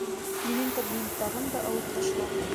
Минең кабинеттағын да алып ташла!